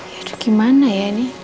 yaudah gimana ya ini